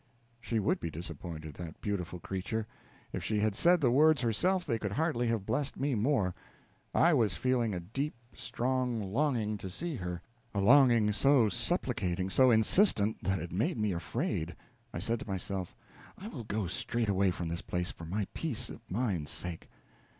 She would be disappointed that beautiful creature! If she had said the words herself they could hardly have blessed me more. I was feeling a deep, strong longing to see her a longing so supplicating, so insistent, that it made me afraid. I said to myself: "I will go straight away from this place, for my peace of mind's sake."